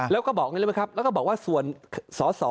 แล้วก็บอกอย่างนี้เลยไหมครับแล้วก็บอกว่าส่วนสอสอ